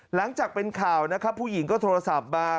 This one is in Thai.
หลังจากเป็นข่าวนะครับผู้หญิงก็โทรศัพท์มา